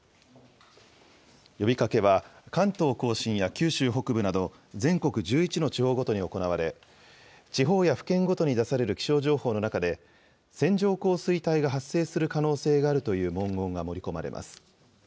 呼びかけは関東甲信や九州北部など、全国１１の地方ごとに行われ、地方や府県ごとに出される気象情報の中で、線状降水帯が発生する可能性があるという文言が盛り込まれます。